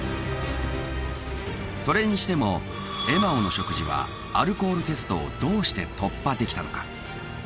それにしても「エマオの食事」はアルコールテストをどうして突破できたのか？